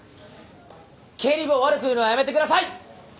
経理部を悪く言うのはやめて下さい！